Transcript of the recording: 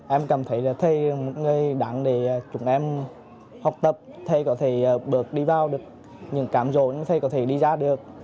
em cảm thấy là thầy một người đáng để chúng em học tập thầy có thể bước đi vào được những cảm rộn thầy có thể đi ra được